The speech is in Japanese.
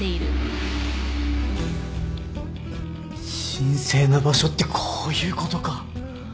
神聖な場所ってこういうことか。